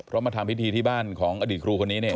เพราะมาทำพิธีที่บ้านของอดีตครูคนนี้เนี่ย